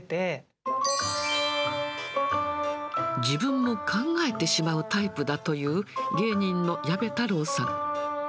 自分も考えてしまうタイプだという、芸人の矢部太郎さん。